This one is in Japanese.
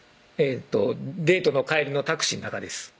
えっとデートの帰りのタクシーの中です